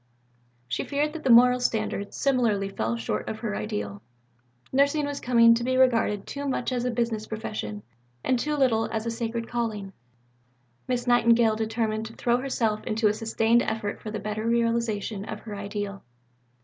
She feared that the moral standard similarly fell short of her ideal; nursing was coming to be regarded too much as a business profession, and too little as a sacred calling. Miss Nightingale determined to throw herself into a sustained effort for the better realization of her ideal.